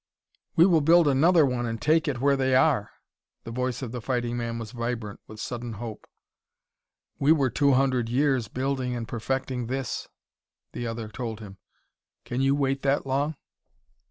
"We will build another one and take it where they are " The voice of the fighting man was vibrant with sudden hope. "We were two hundred years building and perfecting this," the other told him. "Can you wait that long?"